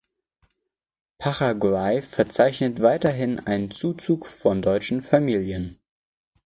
Paraguay verzeichnet weiterhin einen Zuzug von deutschen Familien.